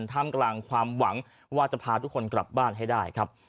ท่ามกลางความหวังว่าจะพาทุกคนกลับบ้านให้ได้ครับ